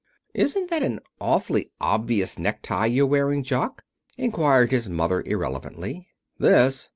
"Isn't that an awfully obvious necktie you're wearing, Jock?" inquired his mother irrelevantly. "This?